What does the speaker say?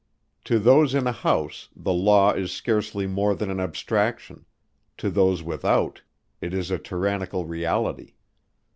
To those in a house the Law is scarcely more than an abstraction; to those without it is a tyrannical reality.